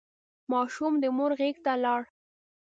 ماشوم د مور غېږ ته لاړ.